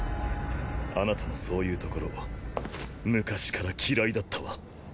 あなたのそういうところ昔から嫌いだったわ。